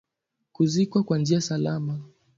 kuzikwa kwa njia salama